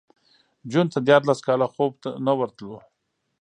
جون ته دیارلس کاله خوب نه ورتلو